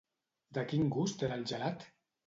De quin gust era el gelat?